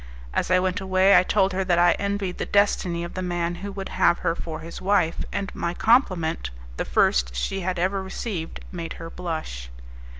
As I went away, I told her that I envied the destiny of the man who would have her for his wife, and my compliment, the first she had ever received, made her blush.